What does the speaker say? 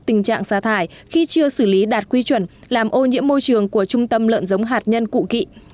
tình trạng xa thải khi chưa xử lý đạt quy chuẩn làm ô nhiễm môi trường của trung tâm lợn giống hạt nhân cụ kỵ